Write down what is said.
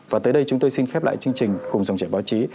và tới đây chúng tôi xin khép lại chương trình cùng dòng chảy báo chí